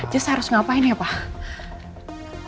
terus harus ngapain ya pak